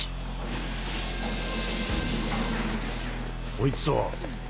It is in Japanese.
こいつは？